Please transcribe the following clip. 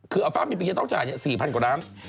คือฟ้านปิงจะต้องจ่าย๔๐๐๐กว่าร้ำ